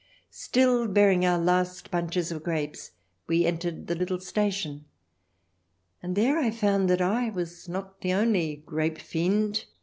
... Still bearing our last bunches of grapes, we entered the little station, and there I found that I was not the only grape fiend.